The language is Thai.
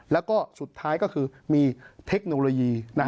แล้วก็สุดท้ายก็คือมีเทคโนโลยี